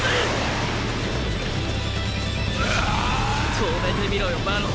止めてみろよ馬狼。